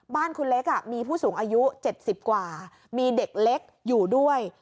บ้านคุณเล็กมีผู้สูงอายุ๗๐กว่ามีเด็กเล็กอยู่ด้วย